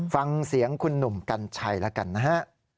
ฟังเสียงคุณหนุ่มกัญชัยแล้วกันนะฮะ